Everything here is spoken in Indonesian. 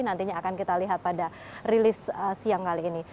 nantinya akan kita lihat pada rilis siang kali ini